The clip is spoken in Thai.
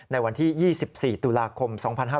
ในวันที่๒๔ตุลาคม๒๕๕๙